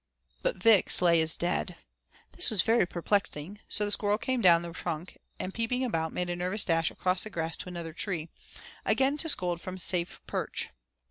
But Vix lay as dead. This was very perplexing, so the squirrel came down the trunk and peeping about made a nervous dash across the grass, to another tree, again to scold from a safe perch.